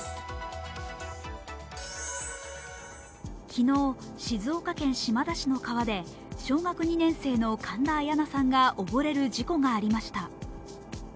昨日、静岡県島田市の川で小学２年生の神田彩陽奈さんが溺れる事故がありました。